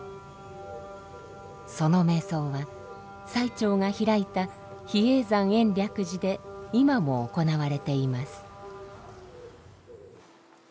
その瞑想は最澄が開いた比叡山延暦寺で今も行われています。